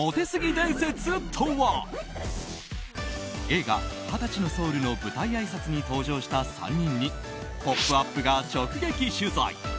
映画「２０歳のソウル」の舞台あいさつに登場した３人に「ポップＵＰ！」が直撃取材。